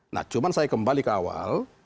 nah cuma saya kembali ke awal